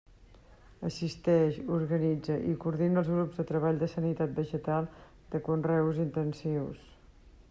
Assisteix, organitza i coordina els grups de treball de sanitat vegetal de conreus intensius.